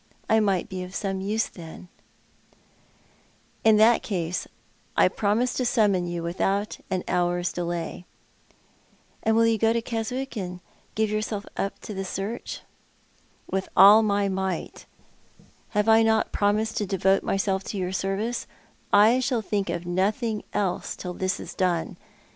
I might be of some use then," " In that case I promise to summon vou without an hour's delay." "And you will go to Keswick, and give yourself up to this search V " Coralies Private Diary continued. 249 " With all my might. Have I uot promised to devote myself to your service '? I shall thiuk of nothing else till this is done.